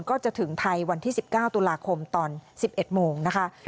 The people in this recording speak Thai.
ก็จะถึงไทยวันที่๑๙ตุลาคมตอน๑๑โมงนะคะ